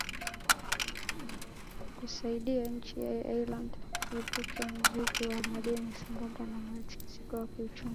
kusaidia nchi ya ireland iepuke na mzigo wa madeni sambamba na mtikisiko wa kiuchumi